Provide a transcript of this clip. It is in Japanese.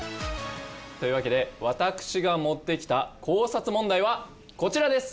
というわけで私が持ってきた考察問題はこちらです。